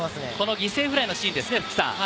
犠牲フライのシーンですね、福さん。